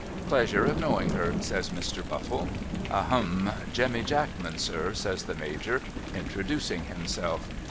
' Pleasure of knowing her ' says Mr. Buffle. ' A — hum !■— Jemmy Jackman sir !' says the Major introducing himself.